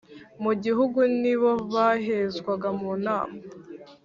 Mu gihugu ni bo bahezwaga mu nama